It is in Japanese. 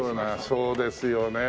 そうですよね。